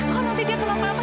kok nanti dia kenapa napa